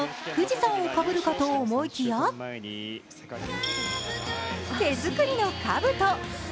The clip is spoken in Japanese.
演技後、富士山をかぶるかと思いきや手作りのかぶと。